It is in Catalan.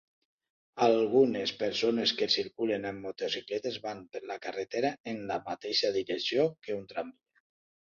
Algunes persones que circulen amb motocicletes van per la carretera en la mateixa direcció que un tramvia.